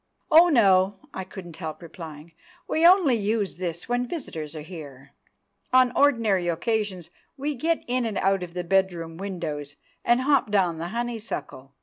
"Oh, no," I couldn't help replying. "We only use this when visitors are here. On ordinary occasions we get in and out of the bedroom windows, and hop down the honeysuckle."